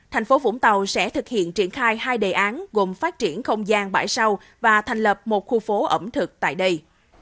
thành phố vũng tàu sẽ thực hiện triển khai hai đề án gồm phát triển không gian bãi sau và thành lập một khu phố ẩm thực tại đây